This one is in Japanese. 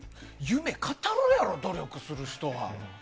夢、語るやろ努力する人は。